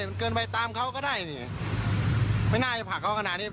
มันเกินไปตามเขาก็ได้นี่ไม่น่าจะผลักเขาขนาดนี้